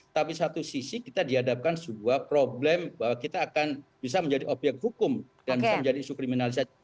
tapi satu sisi kita dihadapkan sebuah problem bahwa kita akan bisa menjadi obyek hukum dan bisa menjadi isu kriminalisasi